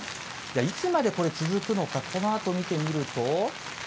いつまで続くのか、このあと見てみると。